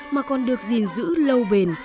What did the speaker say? mà còn được gìn giữ lâu bền